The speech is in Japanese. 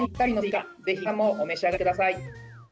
ぜひ皆さんもお召し上がりください。